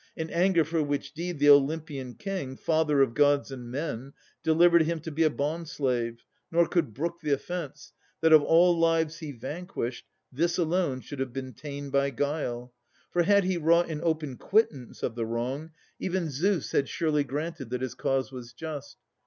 In anger for which deed the Olympian King, Father of Gods and men, delivered him To be a bond slave, nor could brook the offence, That of all lives he vanquished, this alone Should have been ta'en by guile. For had he wrought In open quittance of outrageous wrong, Even Zeus had granted that his cause was just.